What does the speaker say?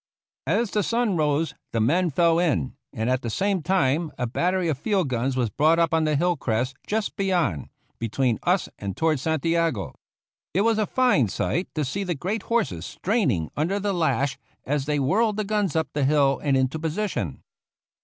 As the sun rose the men fell in, and at the same time a battery of field guns was brought up on the hill crest just beyond, between us and toward Santiago. It was a fine sight to see the great horses straining under the lash as they whirled the guns up the hill and into po sition.